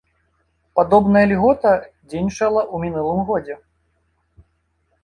Падобная льгота дзейнічала ў мінулым годзе.